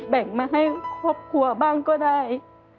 แบ่งมาให้ครอบครัวบ้างก็ได้